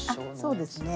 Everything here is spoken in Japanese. あっそうですね。